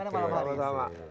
terima kasih banyak banyak